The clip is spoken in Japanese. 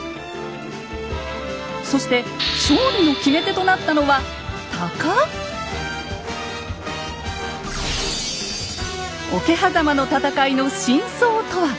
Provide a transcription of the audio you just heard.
そして勝利の決め手となったのは桶狭間の戦いの真相とは。